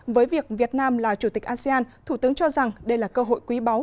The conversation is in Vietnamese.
với việc việt nam là chủ tịch asean thủ tướng cho rằng đây là cơ hội quý báu